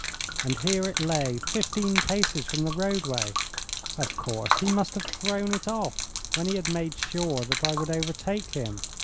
And here it lay, fifteen paces from the roadway! Of course, he must have thrown it off when he had made sure that I would overtake him.